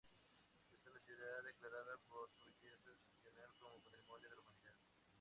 Es una ciudad declarada por su belleza excepcional como Patrimonio de la Humanidad.